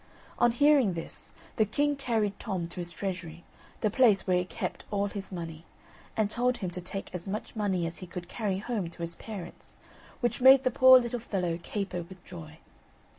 On hearing this, the king carried Tom to his treasury, the place where he kept all his money, and told him to take as much money as he could carry home to his parents, which made the poor little fellow caper with joy.